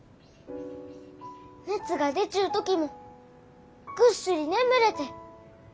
熱が出ちゅう時もぐっすり眠れて。